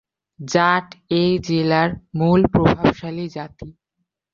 জাট এই জেলার মূল প্রভাবশালী জাতি।